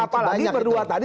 apalagi berdua tadi